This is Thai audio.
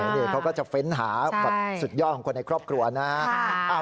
อย่างไรเขาก็จะเฟ้นหาสุดยอดของคนในครอบครัวนะ